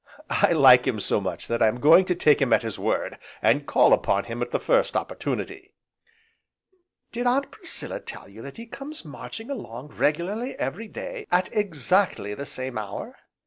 "I like him so much that I am going to take him at his word, and call upon him at the first opportunity." "Did Aunt Priscilla tell you that he comes marching along regularly every day, at exactly the same hour?"